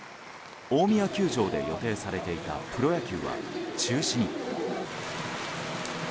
大宮球場で予定されていたプロ野球は、中止に。